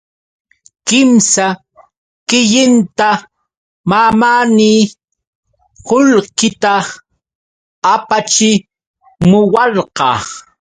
Kimsa killanta mamaanii qullqita apachimuwarqa.